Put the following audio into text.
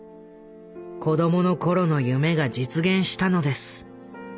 子供の頃の夢が実現したのです。